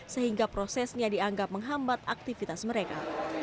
sehingga prosesnya dianggap menghambat aktivitas mereka